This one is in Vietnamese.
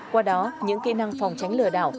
qua đó những kỹ năng phòng tránh lừa đảo